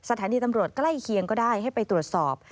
สถานีตำรวจใกล้เคียงก็ได้ให้ไปตรวจสอบ